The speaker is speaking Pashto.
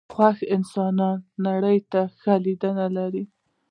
خوښ انسانان نړۍ ته ښه لید لري .